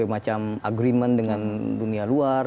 macam agreement dengan dunia luar